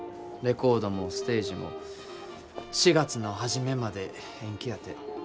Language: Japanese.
レコードもステージも４月の初めまで延期やて。